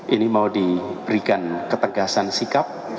ini mau diberikan ketegasan sikap